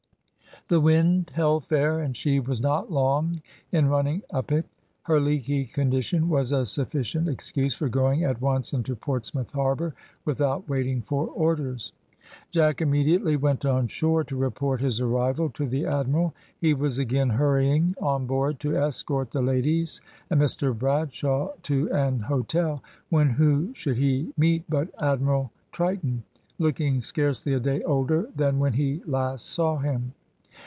The wind held fair, and she was not long in running up it. Her leaky condition was a sufficient excuse for going at once into Portsmouth harbour, without waiting for orders. Jack immediately went on shore to report his arrival to the admiral. He was again hurrying on board to escort the ladies and Mr Bradshaw to an hotel, when who should he meet but Admiral Triton, looking scarcely a day older than when he last saw him.